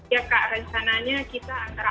ya kak rencananya kita antara